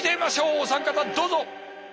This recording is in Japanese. お三方どうぞ！